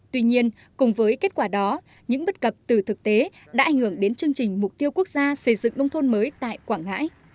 tuy nhiên cùng với kết quả đó những bất cập từ thực tế đã ảnh hưởng đến chương trình mục tiêu quốc gia xây dựng nông thôn mới tại quảng ngãi